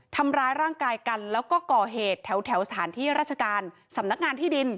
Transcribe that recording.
ทำร้ายร่างกายกันแล้วก็ก่อเหตุแถวสถานที่ราชการสำนักงานที่ดิน